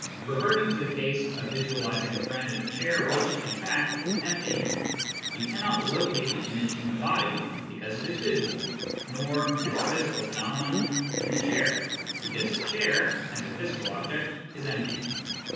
Ke verting to the case of visualizing a friend in a chair which, in fact, is empty, you cannot locate the image in the body because it is visual, nor (as a physical phenomenon) in the chair, because the chair, as a physical object, is empty.